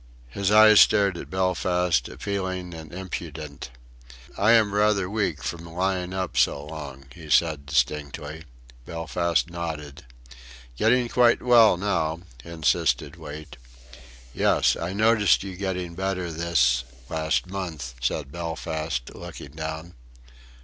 His eyes stared at Belfast, appealing and impudent. "I am rather weak from lying up so long," he said, distinctly. Belfast nodded. "Getting quite well now," insisted Wait. "Yes. I noticed you getting better this... last month," said Belfast, looking down.